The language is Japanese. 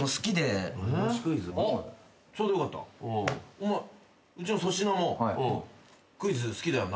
お前うちの粗品もクイズ好きだよな？